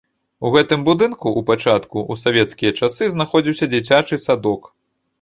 У гэтым будынку ў пачатку ў савецкія часы знаходзіўся дзіцячы садок.